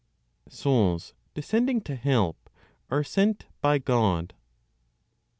SOULS DESCENDING TO HELP ARE SENT BY GOD. 5.